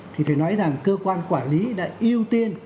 thì phải nói rằng cơ quan quản lý đã ưu tiên